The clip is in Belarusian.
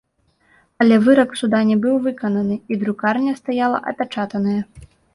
Але вырак суда не быў выкананы, і друкарня стаяла апячатаная.